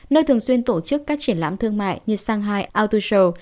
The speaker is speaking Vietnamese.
nơi thường xuyên tổ chức các triển lãm thương mại như shanghai auto show